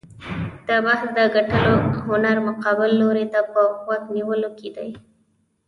د بحث د ګټلو هنر مقابل لوري ته په غوږ نیولو کې دی.